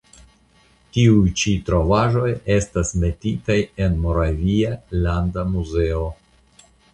Tiuj ĉi trovaĵoj estas metitaj en Moravia landa muzeo.